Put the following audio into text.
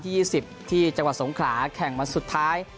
ที่ยี่สิบที่จังหวะสงขหาแข่งมันสุดท้าย